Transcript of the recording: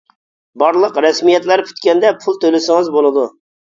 بارلىق رەسمىيەتلەر پۈتكەندە پۇل تۆلىسىڭىز بولىدۇ.